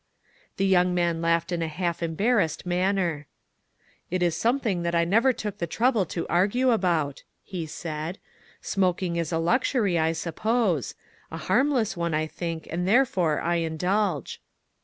The young man laughed in a half embar ressed manner. " It is something that I never took the trouble to argue about," he said ;" smoking is a luxury, I suppose ; a harmless one, I think, and therefore I indulge."